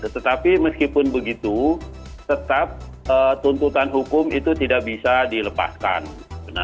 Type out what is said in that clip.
tetapi meskipun begitu tetap tuntutan hukum itu tidak bisa dilepaskan